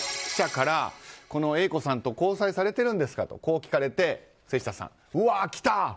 記者からこのＡ子さんと交際されてるんですかと聞かれて瀬下さん、うわあ来た！